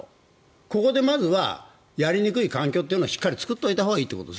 ここでまずはやりにくい環境というは作っておいたほうがいいと。